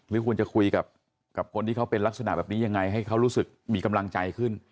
ควรจะคุยกับคนที่เขาเป็นลักษณะแบบนี้ยังไงให้เขารู้สึกมีกำลังใจขึ้น